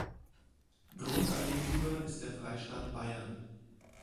Grundeigentümer ist der Freistaat Bayern.